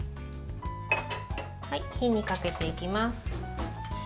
火にかけていきます。